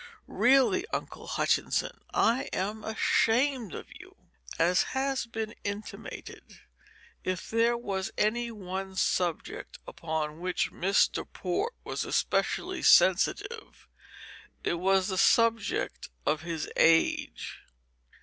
Really, Uncle Hutchinson, I am ashamed of you!" As has been intimated, if there was any one subject upon which Mr. Port was especially sensitive, it was the subject of his age.